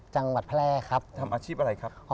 จังหวัดแพร่ครับทำอาชีพอะไรครับ